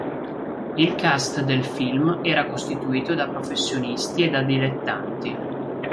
Il cast del film era costituito da professionisti e da dilettanti.